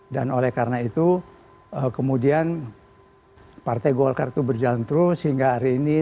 dan oleh karena itu kemudian partai golkar itu berjalan terus hingga hari ini